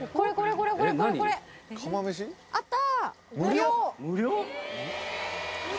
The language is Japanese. あった！